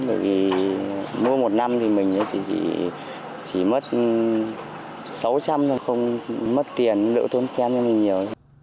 bởi vì mua một năm thì mình chỉ mất sáu trăm linh không mất tiền lựa tốn kém cho mình nhiều